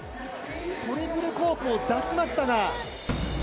トリプルコークを出しましたが。